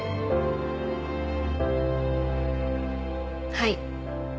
はい。